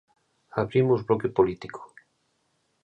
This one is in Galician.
Abrimos bloque político.